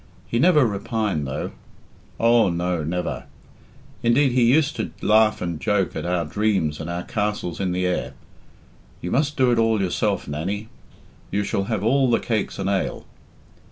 He never repined, though. Oh, no, never. Indeed, he used to laugh and joke at our dreams and our castles in the air. 'You must do it all yourself, Nannie; you shall have all the cakes and ale.'